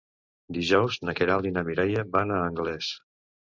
Dijous na Queralt i na Mireia van a Anglès.